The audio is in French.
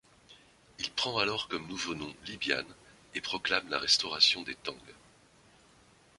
Il prend alors comme nouveau nom Li Bian et proclame la restauration des Tang.